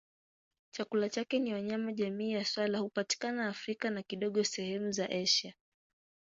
Chakula chake ni wanyama jamii ya swala hupatikana Afrika na kidogo sehemu za Asia.